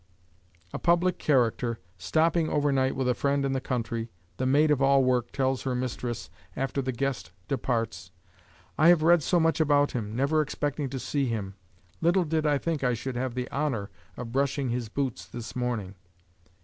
A public character, stopping over night with a friend in the country, the maid of all work tells her mistress, after the guest departs, "I have read so much about him, never expecting to see him; little did I think I should have the honor of brushing his boots this morning."